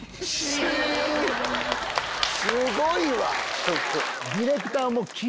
すごいわ！